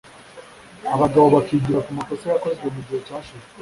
Abanyarwanda bakigira ku makosa yakozwe mu gihe cyashize